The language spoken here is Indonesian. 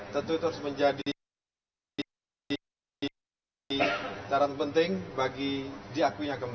tentu itu harus menjadi caran penting bagi diakuinya kemarin